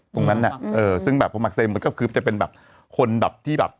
ตรงนั้นนะซึ่งแบบเพราะมาร์คเซก็เป็นคนแบบที่แบบ